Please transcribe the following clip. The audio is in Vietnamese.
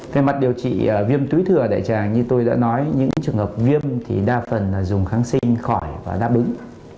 về mặt điều trị viêm túi thừa đại tràng như tôi đã nói những trường hợp viêm thì đa phần là dùng kháng sinh khỏi và đáp ứng